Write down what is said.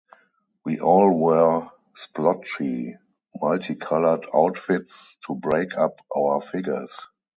We all wear splotchy, multicolored outfits to break up our figures.